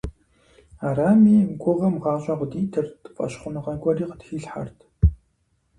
Арами, гугъэм гъащӀэ къыдитырт, фӀэщхъуныгъэ гуэри къытхилъхьэрт.